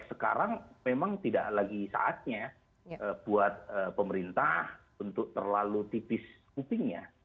sekarang memang tidak lagi saatnya buat pemerintah untuk terlalu tipis kupingnya